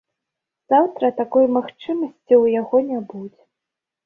Заўтра такой магчымасці ў яго не будзе.